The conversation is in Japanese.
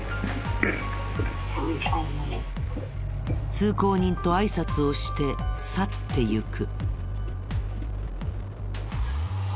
通行人とあいさつをして去ってゆく。